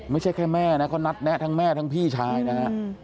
ไม่ใช่แค่แม่นะเขานัดแนะทั้งแม่ทั้งพี่ชายนะฮะ